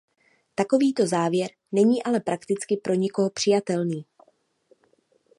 Takovýto závěr není ale prakticky pro nikoho přijatelný.